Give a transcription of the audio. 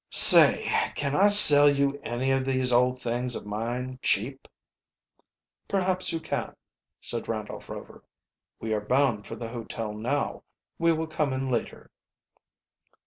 "Say, can I sell you any of these old things of mine cheap?" "Perhaps you can," said Randolph Rover. "We are bound for the hotel now. We will come in later."